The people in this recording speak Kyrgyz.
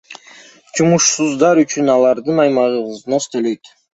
Жумушсуздар үчүн алардын аймагы взнос төлөйт.